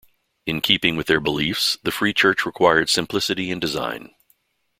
In keeping with their beliefs, the Free Church required simplicity in design.